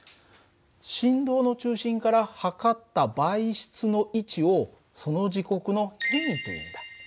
振動の中心から測った媒質の位置をその時刻の変位というんだ。